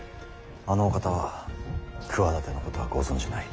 あのお方は企てのことはご存じない。